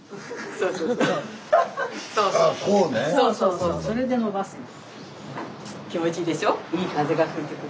そうそうそうそれで伸ばすの。